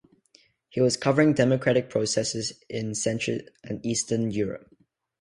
He was covering democratic processes in Central and Eastern Europe.